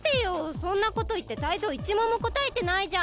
そんなこといってタイゾウ１問もこたえてないじゃん！